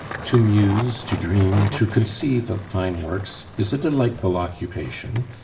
To muse, to dream, to conceive of fine works, is a delightful occupation.